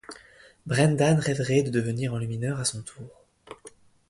Brendan rêverait de devenir enlumineur à son tour.